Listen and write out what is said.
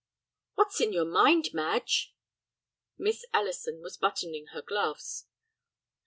"What's in your mind, Madge?" Miss Ellison was buttoning her gloves.